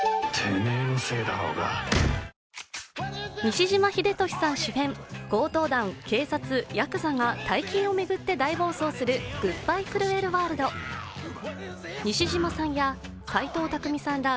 西島秀俊さん主演強盗団、警察、ヤクザが大金を巡って大暴走する「グッバイ・クルエル・ワールド」西島さんや斎藤工さんら